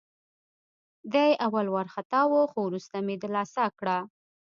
دی اول وارخطا وه، خو وروسته مې دلاسا کړه.